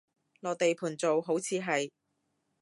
落地盤做，好似係